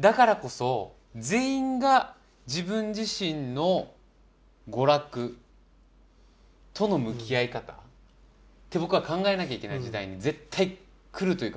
だからこそ全員が自分自身の娯楽との向き合い方って僕は考えなきゃいけない時代に絶対来るというか。